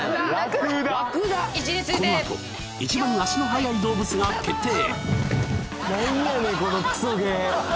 このあと一番足の速い動物が決定